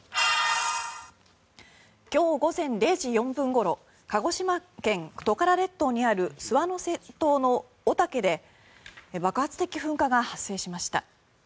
今日午前０時４分ごろ鹿児島県・トカラ列島にある諏訪之瀬島の御岳で爆発的噴火が発生しました。